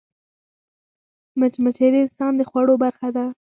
مچمچۍ د انسان د خوړو برخه ده